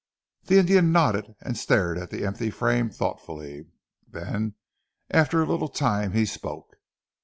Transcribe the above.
The Indian nodded and stared at the empty frame thoughtfully, then after a little time he spoke.